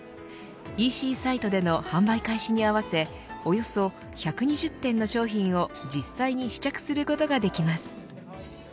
ＥＣサイトでの販売開始に合わせおよそ１２０点の商品を実際に試着することができます。